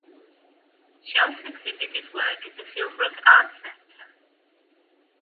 She also exhibited work at the Philbrook Art Center.